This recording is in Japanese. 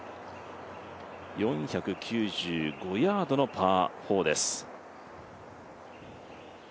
４９５ヤードのパー４です。